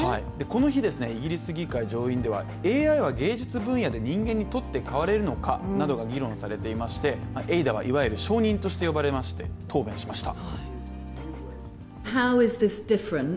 この日、イギリス議会上院ではＡＩは芸術分野で人間に取って代われるのかという議題でＡｉ−Ｄａは、いわゆる証人として呼ばれまして答弁しました。